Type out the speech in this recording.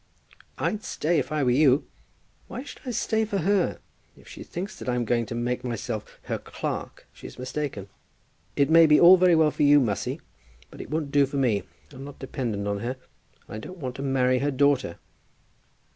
"I'd stay if I were you." "Why should I stay for her? If she thinks that I'm going to make myself her clerk, she's mistaken. It may be all very well for you, Mussy, but it won't do for me. I'm not dependent on her, and I don't want to marry her daughter."